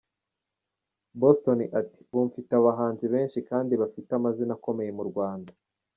Boston ati “Ubu mfite abahanzi benshi kandi bafite amazina akomeye mu Rwanda.